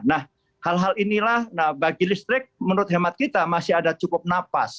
nah hal hal inilah bagi listrik menurut hemat kita masih ada cukup napas